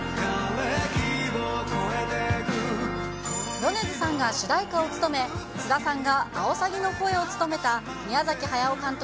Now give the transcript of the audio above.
米津さんが主題歌を務め、菅田さんが青サギの声を務めた宮崎駿監督